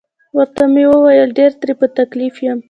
ورته مې وویل: ډیر ترې په تکلیف یم.